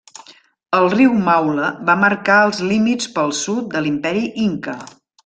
El riu Maule va marcar els límits pel sud de l'Imperi Inca.